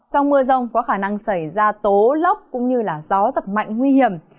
trong mưa rông có khả năng xảy ra tố lốc cũng như gió giật mạnh nguy hiểm